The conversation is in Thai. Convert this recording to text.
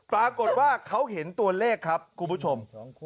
ปรากฏว่าเขาเห็นตัวเลขครับคุณผู้ชม